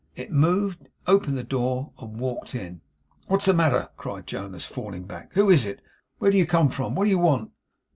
It moved, opened the door, and walked in. 'What's the matter?' cried Jonas, falling back. 'Who is it? Where do you come from? What do you want?